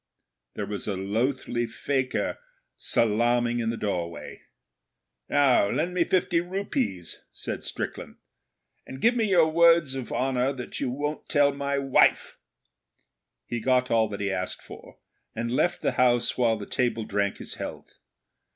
There was a loathly fakir salaaming in the doorway. 'Now lend me fifty rupees,' said Strickland, 'and give me your Words of Honour that you won't tell my wife.' He got all that he asked for, and left the house while the table drank his health.